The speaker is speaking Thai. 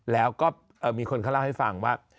แล้วก็มีคนเขาเล่าให้ฟังว่า